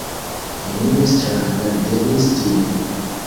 Nenio stranga videblis tie.